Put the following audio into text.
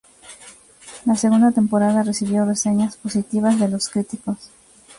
La segunda temporada recibió reseñas positivas de los críticos.